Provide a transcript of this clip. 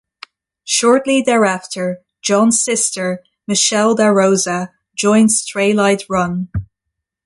Shortly thereafter, John's sister, Michelle DaRosa, joined Straylight Run.